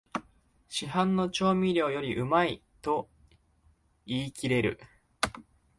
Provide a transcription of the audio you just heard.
市販の調味料よりうまいと言いきれる